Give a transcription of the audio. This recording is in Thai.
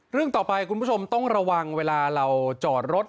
เรื่องต่อไปคุณผู้ชมต้องระวังเวลาเราจอดรถ